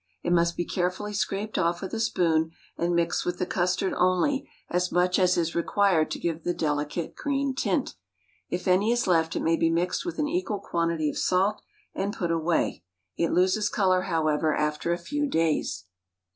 It must be carefully scraped off with a spoon, and mix with the custard only as much as is required to give a delicate green tint. If any is left it may be mixed with an equal quantity of salt and put away; it loses color, however, after a few days.